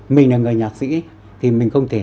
mình là người nhạc sĩ thì mình không thể